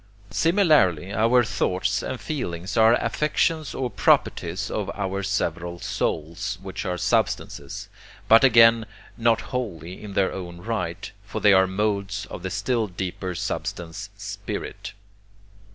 Similarly our thoughts and feelings are affections or properties of our several souls, which are substances, but again not wholly in their own right, for they are modes of the still deeper substance 'spirit.'